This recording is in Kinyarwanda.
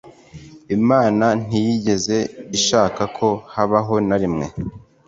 imana ntiyigeze ishaka ko habaho na rimwe